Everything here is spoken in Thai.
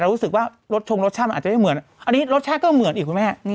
รู้สึกว่ารสชงรสชาติมันอาจจะไม่เหมือนอันนี้รสชาติก็เหมือนอีกคุณแม่